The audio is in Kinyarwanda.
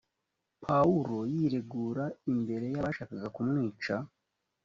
pawulo yiregura imbere y abashakaga kumwica